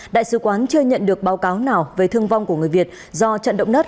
đại sứ quán chưa nhận được báo cáo nào về thương vong của người việt do trận động đất